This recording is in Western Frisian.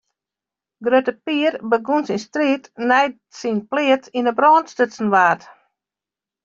Grutte Pier begûn syn striid nei't syn pleats yn 'e brân stutsen waard.